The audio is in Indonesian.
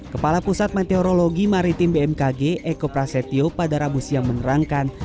kepala pusat meteorologi maritim bmkg eko prasetyo pada rabu siang menerangkan